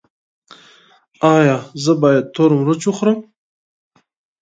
ایا زه باید تور مرچ وخورم؟